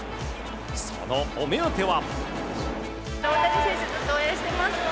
そのお目当ては。